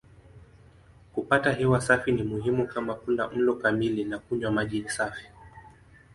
Kupata hewa safi ni muhimu kama kula mlo kamili na kunywa maji safi.